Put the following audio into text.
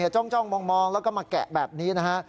จ้องมองแล้วก็มาแกะแบบนี้นะฮะ